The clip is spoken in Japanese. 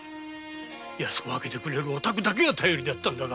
安く分けてくれるお宅だけが頼りであったのに。